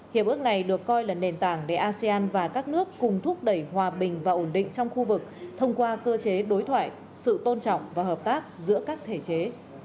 hiệp ước này được coi là nền tảng để asean và các nước cùng thúc đẩy hòa bình và ổn định trong khu vực thông qua cơ chế đối thoại sự tôn trọng và hợp tác giữa các thể chế